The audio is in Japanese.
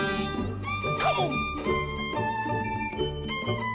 カモン！